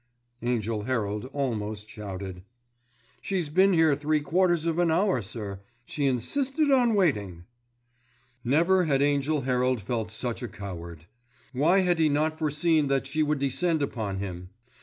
Angell Herald almost shouted. "She's been here three quarters of an hour, sir. She insisted on waiting." Never had Angell Herald felt such a coward. Why had he not foreseen that she would descend upon him.